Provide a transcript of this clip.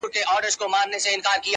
د ملاقات پر مهال ډیر کله